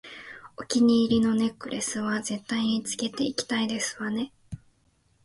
お気に入りのネックレスは絶対につけていきたいですわね